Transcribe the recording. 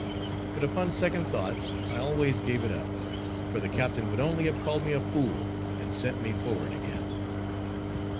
But upon second thoughts, I always gave it up; for the captain would only have called me a fool, and sent me forward again.